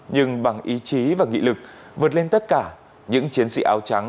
nhưng bằng ý chí và nghị lực vượt lên tất cả những chiến sĩ áo trắng